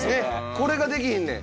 これができひんねん。